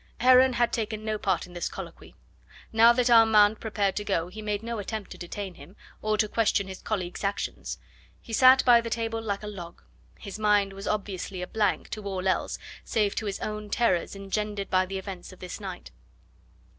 Heron had taken no part in this colloquy. Now that Armand prepared to go he made no attempt to detain him, or to question his colleague's actions. He sat by the table like a log; his mind was obviously a blank to all else save to his own terrors engendered by the events of this night.